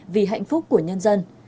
vì hạnh phúc của nhân dân